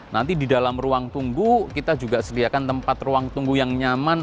nanti di dalam ruang tunggu kita juga sediakan tempat ruang tunggu yang nyaman